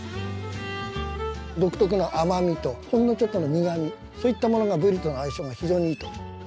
独特の甘みとほんのちょっとの苦みそういったものがブリとの相性が非常にいいと。